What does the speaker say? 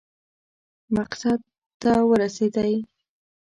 مسقط ته ورسېدی.